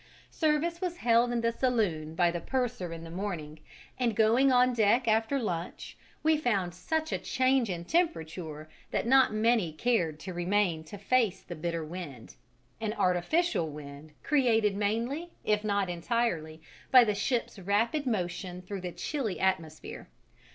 Service was held in the saloon by the purser in the morning, and going on deck after lunch we found such a change in temperature that not many cared to remain to face the bitter wind an artificial wind created mainly, if not entirely, by the ship's rapid motion through the chilly atmosphere.